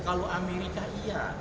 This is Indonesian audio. kalau amerika iya